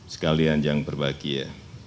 sekalian yang berbahagia